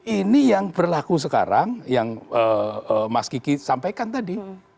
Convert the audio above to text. ini yang berlaku sekarang yang mas kiki sampaikan tadi